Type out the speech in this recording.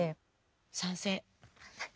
賛成！